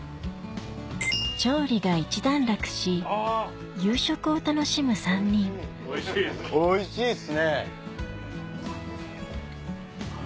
調理が一段落し夕食を楽しむ３人おいしいっすね。